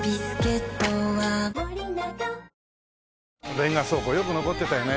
レンガ倉庫よく残ってたよね。